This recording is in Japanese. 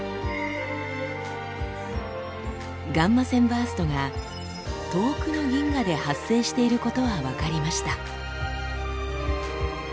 ガンマ線バーストが遠くの銀河で発生していることは分かりました。